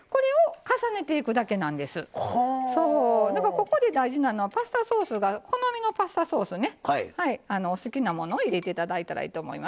ここで大事なのはパスタソースが好みのパスタソースねお好きなものを入れて頂いたらいいと思います。